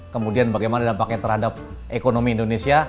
kemudian bagaimana dampaknya terhadap ekonomi indonesia